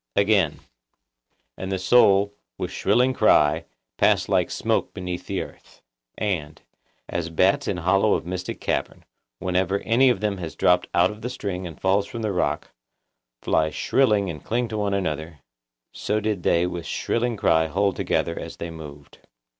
Again:— 'And the soul, with shrilling cry, passed like smoke beneath the earth.' And,— 'As bats in hollow of mystic cavern, whenever any of them has dropped out of the string and falls from the rock, fly shrilling and cling to one another, so did they with shrilling cry hold together as they moved.